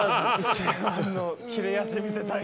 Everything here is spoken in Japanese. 一番のきれ味見せた、今。